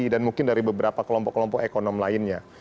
dan mungkin dari beberapa kelompok kelompok ekonom lainnya